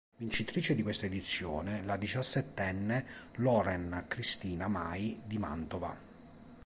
Vincitrice di questa edizione la diciassettenne Loren Cristina Mai di Mantova.